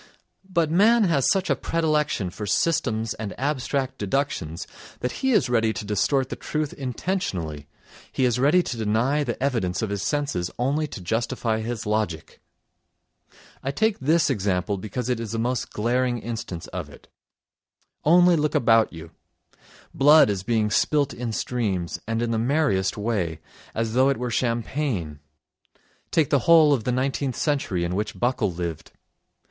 But man has such a predilection for systems and abstract deductions that he is ready to distort the truth intentionally, he is ready to deny the evidence of his senses only to justify his logic. I take this example because it is the most glaring instance of it. Only look about you: blood is being spilt in streams, and in the merriest way, as though it were champagne. Take the whole of the nineteenth century in which Buckle lived.